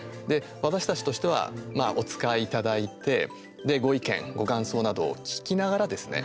私たちとしてはお使いいただいてご意見、ご感想などを聞きながらですね